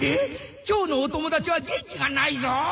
今日のお友達は元気がないぞ？